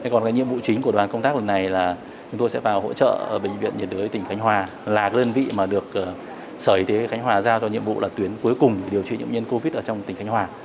còn nhiệm vụ chính của đoàn công tác này là chúng tôi sẽ vào hỗ trợ bệnh viện nhiệt đới tỉnh khánh hòa là lân vị mà được sở y tế khánh hòa giao cho nhiệm vụ là tuyến cuối cùng điều trị nhiễm nhiễm covid ở trong tỉnh khánh hòa